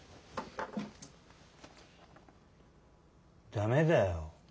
駄目だよ。